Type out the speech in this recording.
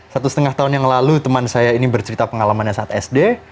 satu setengah tahun yang lalu teman saya ini bercerita pengalamannya saat sd